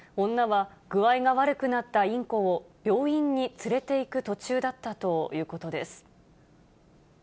女は具合が悪くなったインコを病院に連れていく途中だったということです。